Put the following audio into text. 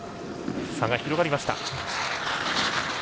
差が広がりました。